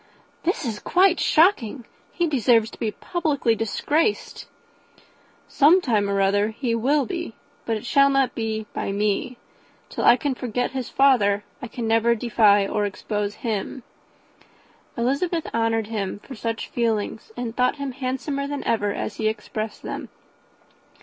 "This is quite shocking! He deserves to be publicly disgraced." "Some time or other he will be but it shall not be by me. Till I can forget his father, I can never defy or expose him." Elizabeth honoured him for such feelings, and thought him handsomer than ever as he expressed them.